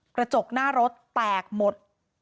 กระจกหน้ารถแตกหมด